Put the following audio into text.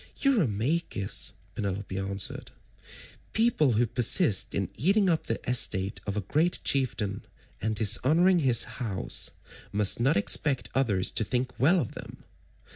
"Eurymachus," Penelope answered, "people who persist in eating up the estate of a great chieftain and dishonouring his house must not expect others to think well of them.